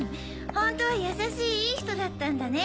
本当は優しい良い人だったんだね。